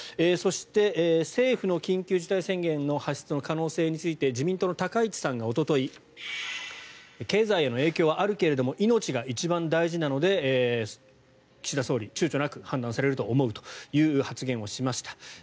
そして、政府の緊急事態宣言の発出の可能性について自民党の高市さんがおととい経済への影響はあるけれども命が一番大事なので岸田総理は躊躇なく判断されると思うという発言をされました。